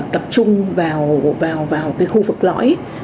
tập trung vào khu vực lõi